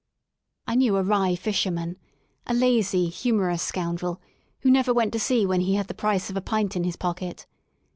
I knew a L Rye fisherman, a lazy, humorous scoundrel, who never ■ went to sea when he had the price of a pint in his L pocket.